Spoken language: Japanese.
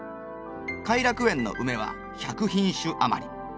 偕楽園のウメは１００品種余り。